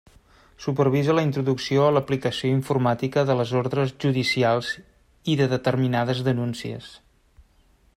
Supervisa la introducció a l'aplicació informàtica de les ordres judicials i de determinades denúncies.